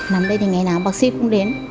nằm đây thì ngày nào bác sĩ cũng đến